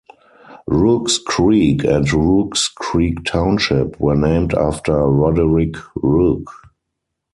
Rooks Creek and Rooks Creek Township were named after Roderick Rook.